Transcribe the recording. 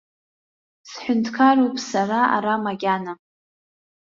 Сҳәынҭқаруп сара ара макьана!